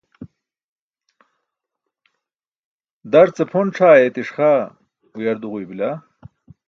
Darce pʰon c̣ʰaa ayeetiṣ xaa uyar duġuybila.